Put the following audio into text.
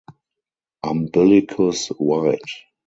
Umbilicus wide.